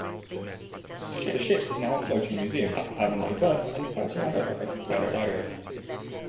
This ship is now a floating museum, permanently berthed in Puerto Madero, Buenos Aires.